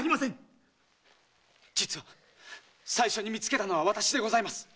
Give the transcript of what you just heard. じつは最初に見つけたのは私でございます。